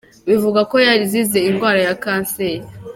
Bivugwa ko yazize ingwara ya cancer.